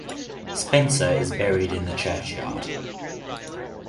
Spencer is buried in the churchyard.